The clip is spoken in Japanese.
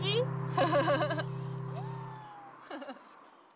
フフフフフ。